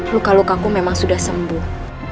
luka lukaku memang sudah sembuh